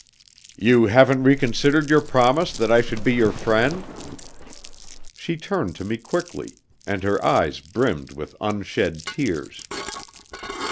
"You haven't reconsidered your promise that I should be your friend?" She turned to me quickly, and her eyes brimmed with unshed tears.